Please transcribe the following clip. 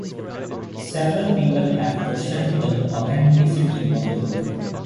Several people have questioned the authenticity of the book.